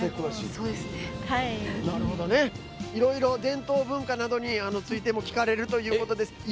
いろいろ伝統文化などについても聞かれるということです。